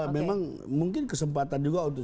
memang mungkin kesempatan juga untuk